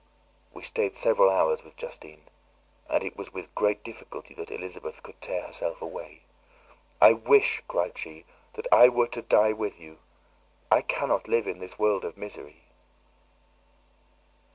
We stayed several hours with Justine, and it was with great difficulty that Elizabeth could tear herself away. "I wish," cried she, "that I were to die with you; I cannot live in this world of misery."